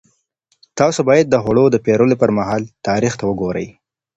تاسو باید د خوړو د پېرلو پر مهال تاریخ ته وګورئ.